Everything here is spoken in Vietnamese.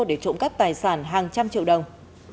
để trộm cắt tài sản hàng trăm triệu đồng